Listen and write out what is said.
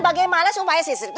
bagaimana supaya si sri